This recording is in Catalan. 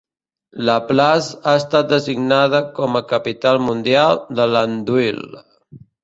LaPlace ha estat designada com a capital mundial de l'andouille.